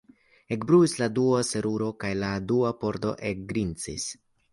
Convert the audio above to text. Ekbruis la dua seruro, kaj la dua pordo ekgrincis.